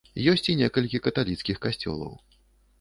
Ёсць і некалькі каталіцкіх касцёлаў.